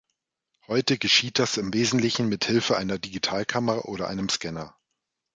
Heute geschieht das im Wesentlichen mit Hilfe einer Digitalkamera oder einem Scanner.